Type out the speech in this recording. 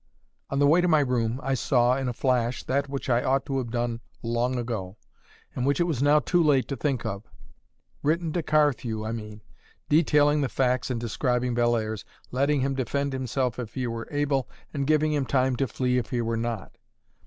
On the way to my room, I saw (in a flash) that which I ought to have done long ago, and which it was now too late to think of written to Carthew, I mean, detailing the facts and describing Bellairs, letting him defend himself if he were able, and giving him time to flee if he were not.